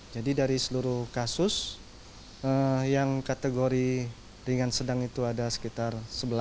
jadi dari seluruh kasus yang kategori ringan sedang itu ada sekitar sebelas